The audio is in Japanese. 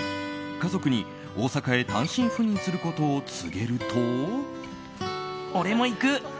家族に大阪へ単身赴任することを告げると。